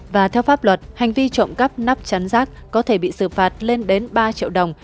và theo pháp luật hành vi trộm cắp nắp chắn rác có thể bị xử phạt lên đến ba triệu đồng